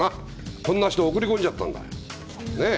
こんな人を送り込んじゃったんだから。